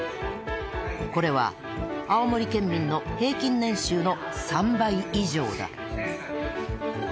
これは青森県民の平均年収の３倍以上だ。